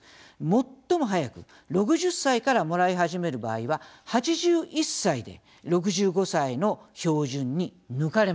最も早く６０歳からもらい始める場合は８１歳で６５歳の標準に抜かれます。